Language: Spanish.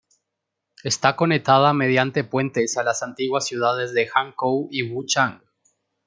Está conectada mediante puentes a las antiguas ciudades de Hankou y Wuchang.